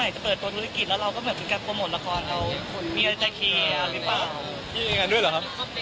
จะเปิดโบราณกิจ